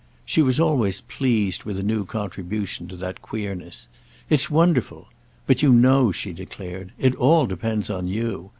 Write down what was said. She was always pleased with a new contribution to that queerness. "It's wonderful! But, you know," she declared, "it all depends on you.